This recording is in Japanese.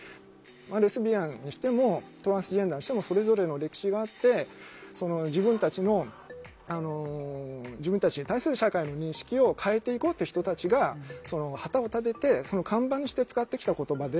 レズビアンにしてもトランスジェンダーにしてもそれぞれの歴史があって自分たちの自分たちへ対する社会の認識を変えていこうという人たちが旗を立てて看板にして使ってきた言葉で。